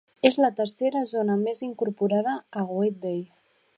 És la tercera zona més gran incorporada a Whidbey.